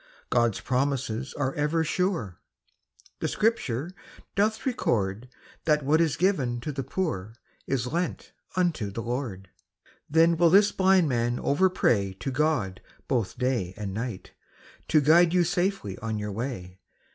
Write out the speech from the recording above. God's promises are ever sure, • The scripture. <doth record That what is given to the poor ! Is lent unto the Lord. I Then will this blind man over pray ! To God both day and night I To guide you safely on your way